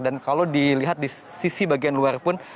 dan kalau dilihat di sisi bagian luar pun